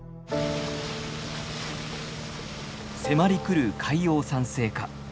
迫りくる海洋酸性化。